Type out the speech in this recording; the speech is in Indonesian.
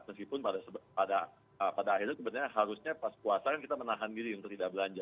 meskipun pada akhirnya sebenarnya harusnya pas puasa kan kita menahan diri untuk tidak belanja